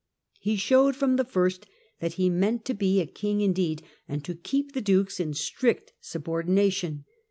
He showed from the first that he meant to be a king indeed, and to keep the dukes in strict subordination.